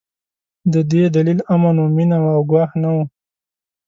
د دې دلیل امن و، مينه وه او ګواښ نه و.